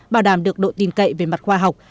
bảo đảm được độ tin cậy về mặt khoa học